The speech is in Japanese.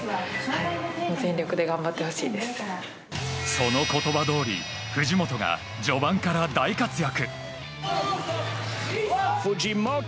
その言葉どおり藤本が序盤から大活躍。